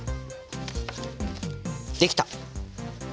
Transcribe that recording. できた！